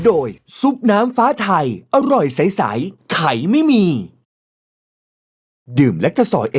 ก็ไปให้ลองมีคำพู